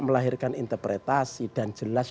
melahirkan interpretasi dan jelas